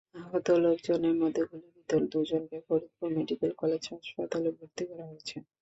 আহত লোকজনের মধ্যে গুলিবিদ্ধ দুজনকে ফরিদপুর মেডিকেল কলেজ হাসপাতালে ভর্তি করা হয়েছে।